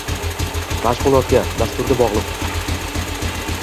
Mashg'ulotga, dasturga bog'liq